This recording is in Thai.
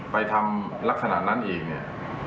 ไปทำลักษณะนั้นอีกเนี่ย